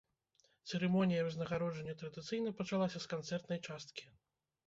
Цырымонія ўзнагароджання традыцыйна пачалася з канцэртнай часткі.